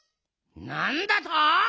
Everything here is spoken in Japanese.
なんだと！